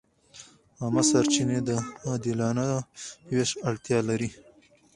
عامه سرچینې د عادلانه وېش اړتیا لري.